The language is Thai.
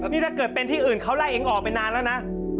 นี่ถ้าเกิดเป็นที่อื่นเขาไล่เองออกไปนานแล้วนะ